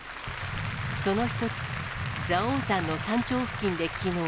その一つ、蔵王山の山頂付近できのう。